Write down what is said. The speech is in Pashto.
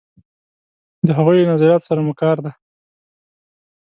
د هغوی له نظریاتو سره مو کار دی.